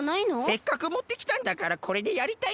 せっかくもってきたんだからこれでやりたいな。